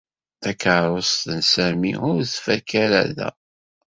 Takeṛṛust n Sami ur tfakk ara da.